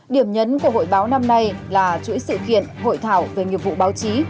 điểm nhấn của hội báo năm nay là chuỗi sự kiện hội thảo về nghiệp vụ báo chí